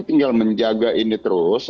tinggal menjaga ini terus